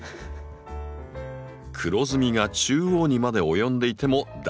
黒ずみが中央にまで及んでいても大丈夫。